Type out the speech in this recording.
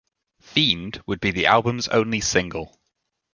"Fiend" would be the album's only single.